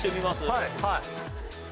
はいはい。